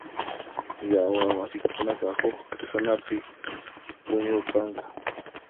Yawar masiykunaqa huk q'isanapi puñurqanku.